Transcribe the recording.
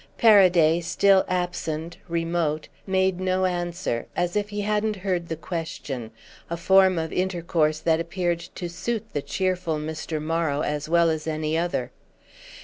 Paraday, still absent, remote, made no answer, as if he hadn't heard the question: a form of intercourse that appeared to suit the cheerful Mr. Morrow as well as any other.